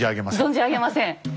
存じ上げません？